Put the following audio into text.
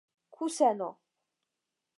kuseno